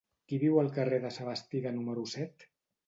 Qui viu al carrer de Sabastida número set?